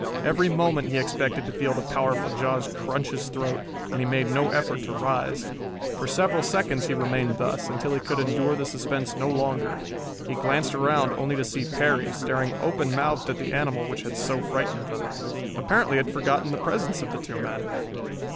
Every moment he expected to feel the powerful jaws crunch his throat, and he made no effort to rise. For several seconds he remained thus, until he could endure the suspense no longer. He glanced around only to see Perry, staring open mouthed at the animal which had so frightened them. Apparently it had forgotten the presence of the two men.